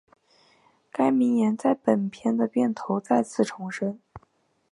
该名言在本片的片头再次重申。